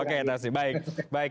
oke takdir baik